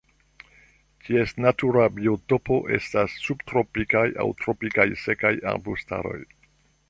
Ties natura biotopo estas subtropikaj aŭ tropikaj sekaj arbustaroj.